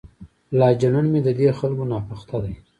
لا جنون مې ددې خلکو ناپخته دی.